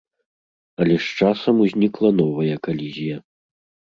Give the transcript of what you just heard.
Але з часам узнікла новая калізія.